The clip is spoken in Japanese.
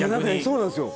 そうなんすよ。